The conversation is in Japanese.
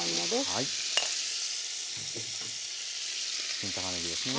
新たまねぎですね。